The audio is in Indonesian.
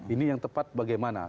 ini yang tepat bagaimana